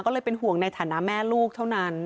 ก็เลยเป็นห่วงในฐานะแม่ลูกเท่านั้น